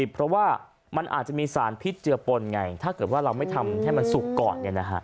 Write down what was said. เพราะว่ามันอาจจะมีสารพิษเจือปนไงถ้าเกิดว่าเราไม่ทำให้มันสุกก่อน